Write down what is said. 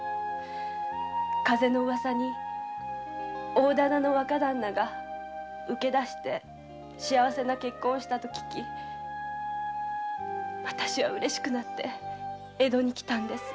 風のウワサに大店の若ダンナが請け出して幸せな結婚をしたと聞きわたしはうれしくなって江戸へ来たんです。